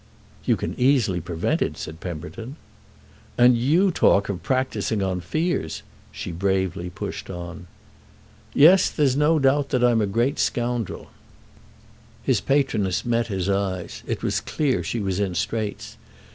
"You can easily prevent it," said Pemberton. "And you talk of practising on fears," she bravely pushed on. "Yes, there's no doubt I'm a great scoundrel." His patroness met his eyes—it was clear she was in straits.